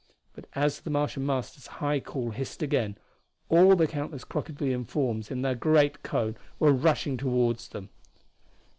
But as the Martian Master's high call hissed again all the countless crocodilian forms in the great cone were rushing toward them.